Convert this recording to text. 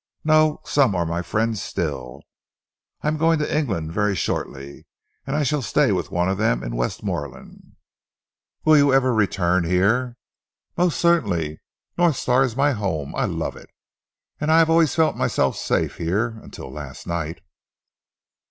"No! Some are my friends still. I am going to England very shortly, and I shall stay with one of them in Westmorland." "Will you ever return here?" "Most certainly. North Star is my home I love it, and I have always felt myself safe here until last night."